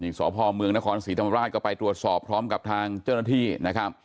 สพเมืองนครศรีธรรมราชก็ไปตรวจสอบพร้อมกับทางเจ้าหน้าที่นะครับ